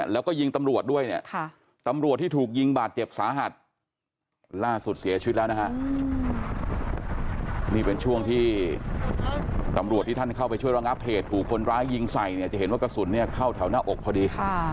แล้วก็ยิงตำรวจด้วยเนี่ยตำรวจที่ถูกยิงบาดเจ็บสาหัสล่าสุดเสียชีวิตแล้วนะฮะนี่เป็นช่วงที่ตำรวจที่ท่านเข้าไปช่วยระงับเหตุถูกคนร้ายยิงใส่เนี่ยจะเห็นว่ากระสุนเนี่ยเข้าแถวหน้าอกพอดี